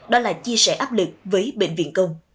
đó là chia sẻ áp lực với bệnh viện công